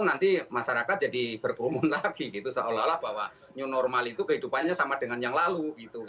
nanti masyarakat jadi berkerumun lagi gitu seolah olah bahwa new normal itu kehidupannya sama dengan yang lalu